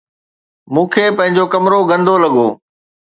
مون کي پنهنجو ڪمرو گندو لڳو